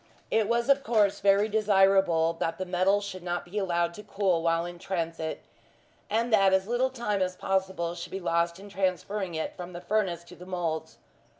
It was, of course, very desirable that the metal should not be allowed to cool while in transit, and that as little time as possible should be lost in transferring it from the furnace to the moulds.